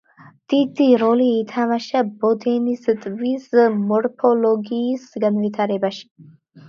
დიდი როლი ითამაშა ბოდენის ტბის მორფოლოგიის განვითარებაში.